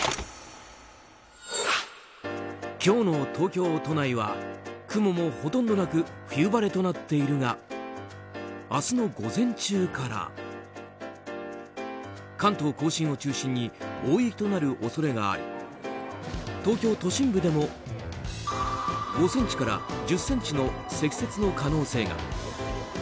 今日の東京都内は雲もほとんどなく冬晴れとなっているが明日の午前中から関東・甲信を中心に大雪となる恐れがあり東京都心部でも５ｃｍから１０ｃｍの積雪の可能性が。